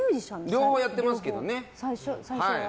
両方やってますけどね。